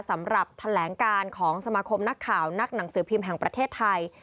สำหรับแถลงการของสมาคมนักข่าวนักหนังสือพิมพ์แห่งประเทศไทย